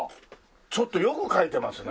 ちょっと良く描いてますね。